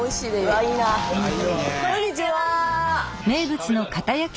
こんにちは。